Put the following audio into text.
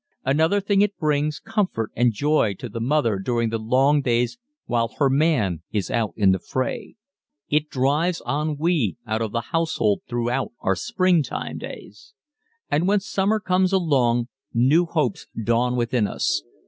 Another thing it brings comfort and joy to the mother during the long days while her man is out in the fray. It drives ennui out of the household throughout our springtime days. And when summer comes along new hopes dawn within us.